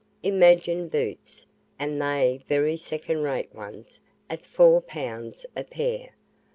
Imagine boots, and they very second rate ones, at four pounds a pair.